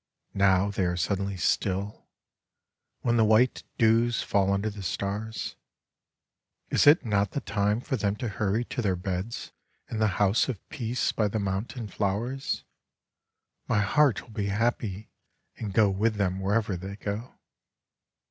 Now they are suddenly still, when the white dews fall under the stars. Is it not the time for them to hurry to their beds in the House of Peace by the mountain flowers ? My heart will be happy and go with them wherever they go.